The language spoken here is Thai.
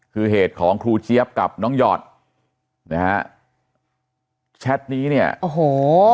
คือเหตุของครูเจี๊ยบกับน้องหยอดนะฮะแชทนี้เนี่ยโอ้โห